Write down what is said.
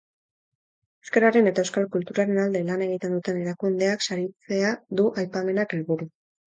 Euskararen eta euskal kulturaren alde lan egiten duten erakundeak saritzea du aipamenak helburu.